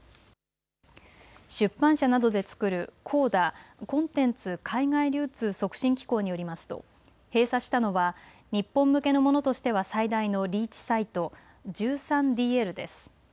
出版社などで作るＣＯＤＡ・コンテンツ海外流通促進機構によりますと閉鎖したのは日本向けのものとしては最大のリーチサイト、１３ＤＬです。